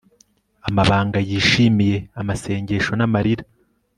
amabanga yishimiye amasengesho n'amarira